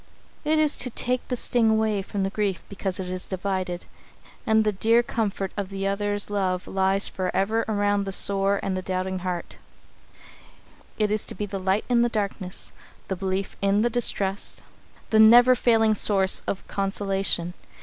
It is to take the sting away from grief because it is divided, and the dear comfort of the other's love lies forever around the sore and doubting heart. [Sidenote: Fire and Snow] It is to be the light in the darkness, the belief in the distrust, the never failing source of consolation.